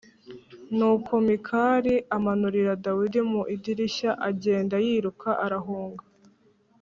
Nuko Mikali amanurira Dawidi mu idirishya, agenda yiruka arahunga.